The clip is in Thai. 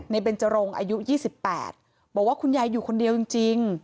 เบนจรงอายุ๒๘บอกว่าคุณยายอยู่คนเดียวจริง